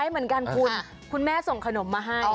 มีดีเป็นการคุยคุยคุณแม่ส่งขนมมาให้